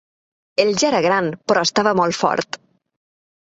Ell ja era gran, però estava molt fort.